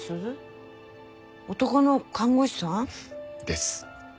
男の看護師さん？です。